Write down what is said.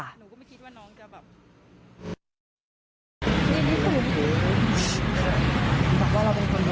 เรียนมาคู่กับลูกสาว